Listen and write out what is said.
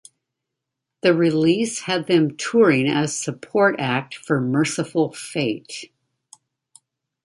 The release had them touring as support act for Mercyful Fate.